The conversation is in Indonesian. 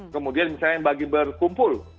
kemudian misalnya bagi berkumpul